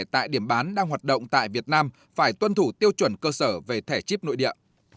tại điểm bán đang hoạt động tại việt nam phải tuân thủ tiêu chuẩn cơ sở về thẻ chip nội địa